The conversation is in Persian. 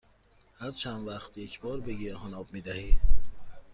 هر چند وقت یک بار به گیاهان آب می دهی؟